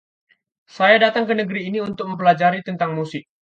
Saya datang ke negeri ini untuk mempelajari tentang musik.